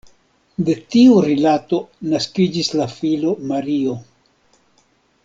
De tiu rilato naskiĝis la filo Mario.